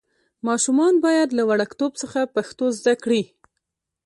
ماشومان باید له وړکتوب څخه پښتو زده کړي.